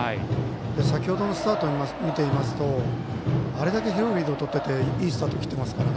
先程のスタートを見ていますとあれだけ広いリードをとっていていいスタートを切っていますから。